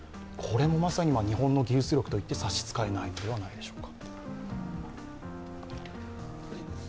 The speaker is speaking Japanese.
まさに日本の技術力と言って差し支えないのではないでしょうか。